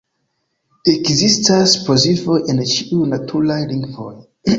Ekzistas plozivoj en ĉiuj naturaj lingvoj.